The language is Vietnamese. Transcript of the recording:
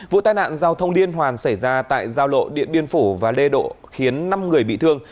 vụ tai nạn giao thông liên hoàn xảy ra tại giao lộ điện biên phủ và lê độ khiến năm người bị thương